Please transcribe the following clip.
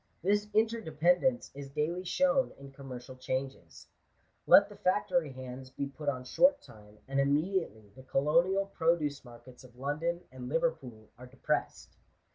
This interdependence is daily shown in commercial changes. Let the factory hands be put on short time, and immediately the colonial produoe markets of London and Liverpool are depressed.